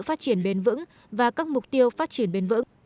phát triển bền vững và các mục tiêu phát triển bền vững